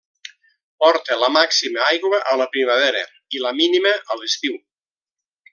Porta la màxima aigua a la primavera i la mínima a l'estiu.